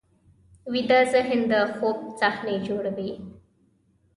ویده ذهن د خوب صحنې جوړوي